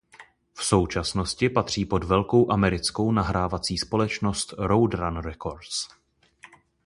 V současnosti patří pod velkou americkou nahrávací společnost Roadrunner Records.